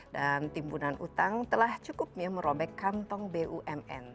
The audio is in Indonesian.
dan timbunan utang telah cukupnya merobek kantong bumn